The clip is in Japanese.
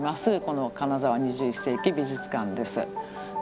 この金沢２１世紀美術館です。